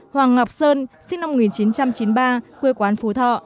hoàng ngọc sơn sinh năm một nghìn chín trăm chín mươi ba quê quán phú thọ